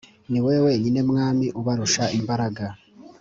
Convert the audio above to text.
Ni wowe wenyine mwami ubarusha imbaraga